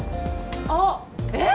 あっえっ